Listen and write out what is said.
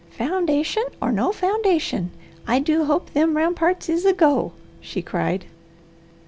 "Foundation or no foundation, I do hope them ramparts is a go!" she cried.